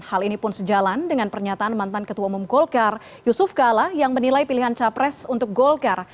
hal ini pun sejalan dengan pernyataan mantan ketua umum golkar yusuf kala yang menilai pilihan capres untuk golkar